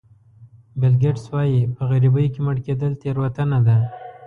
بیل ګېټس وایي په غریبۍ کې مړ کېدل تېروتنه ده.